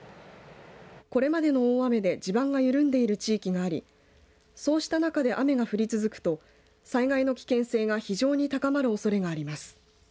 これまでの大雨で地盤が緩んでいる地域がありそうした中で雨が降り続くと災害の危険性が非常に高まるおそれがあります。